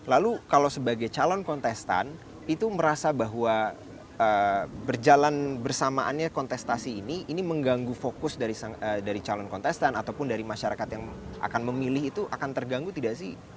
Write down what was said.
lalu kalau sebagai calon kontestan itu merasa bahwa berjalan bersamaannya kontestasi ini ini mengganggu fokus dari calon kontestan ataupun dari masyarakat yang akan memilih itu akan terganggu tidak sih